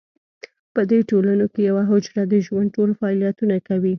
په دې ټولنو کې یوه حجره د ژوند ټول فعالیتونه کوي.